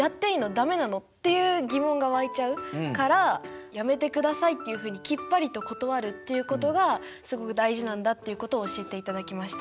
駄目なの？」っていう疑問が湧いちゃうから「やめてください」っていうふうにきっぱりと断るっていうことがすごく大事なんだっていうことを教えていただきました。